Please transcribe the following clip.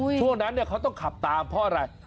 ช่วงนั้นเขาต้องขับตามเพราะอะไร